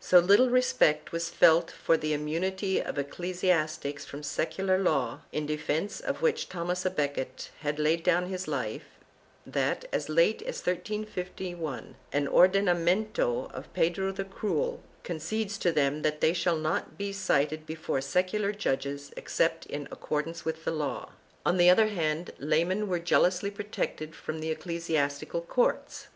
3 So little respect was felt for the immunity of ecclesiastics from secular law, in defence of which Thomas a" Becket had laid down his life, that, as late as 1351, an ordena miento of Pedro the Cruel concedes to them that they shall not be cited before secular judges except in accordance with law.4 On the other hand, laymen were jealously protected from the ecclesiastical courts.